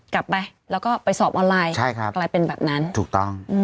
กลับไปแล้วก็ไปสอบออนไลน์อะไรเป็นแบบนั้นใช่ครับถูกต้อง